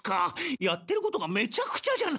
やってることがめちゃくちゃじゃないですか！